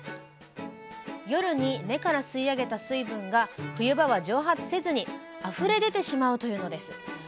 夜に根から吸い上げた水分が冬場は蒸発せずにあふれ出てしまうというのです。